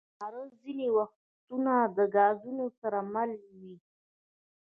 سکاره ځینې وختونه د ګازونو سره مله وي.